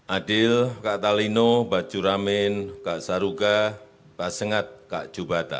adil kak talino bacuramin kak saruga pak sengat kak jubata